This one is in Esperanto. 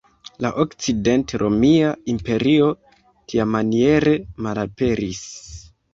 La Okcident-Romia Imperio tiamaniere malaperis.